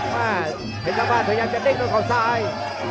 มาเห็นตั้งแต่ว่าถุงเงินจะเด็กตัวของซ้าย